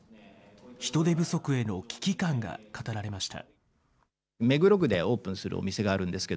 人手不足への危機感が語られました。